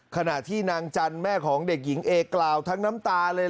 ขณะที่นางจันทร์แม่ของเด็กหญิงเอกล่าวทั้งน้ำตาเลย